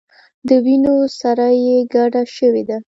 د وینو سره یې ګډه شوې ده.